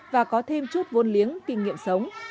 và có thêm chút vốn liếng kinh nghiệm sống